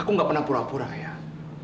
aku gak pernah pura pura ayah